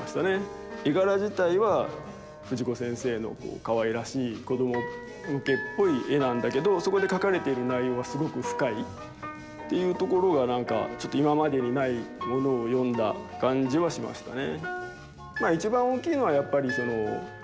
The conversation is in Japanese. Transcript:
絵柄自体は藤子先生のかわいらしい子ども向けっぽい絵なんだけどそこで描かれている内容はすごく深いっていうところが何かちょっと今までにないものを読んだ感じはしましたね。